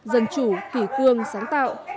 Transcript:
dân chủ kỷ cương sáng tạo